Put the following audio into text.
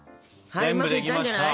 はいうまくいったんじゃない？